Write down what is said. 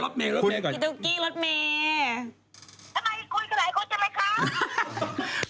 ทำไมคุยกันหลายคนกันแหละครับ